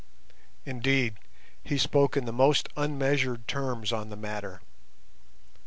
Indeed, he spoke in the most unmeasured terms on the matter.